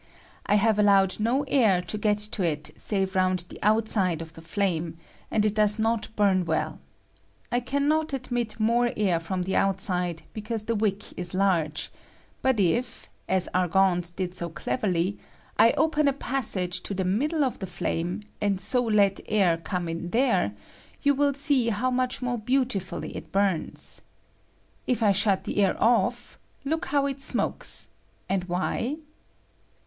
I have allowed no air to get to it save round the outside of the flame, and it does not bum well. I can not admit more air from the out side, because the wick is large ; but if, as Ar gand did so cleverly, I open a passage to the middle of the flame, and bo let air come in J ^^^ buati SOOT FROM IMPERFECT COMBUSTION. 47 tiere, you will see how much more beautifully it burns. If I shut the air off, look how it smokes ; and why